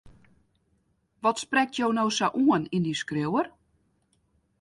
Wat sprekt jo no sa oan yn dy skriuwer?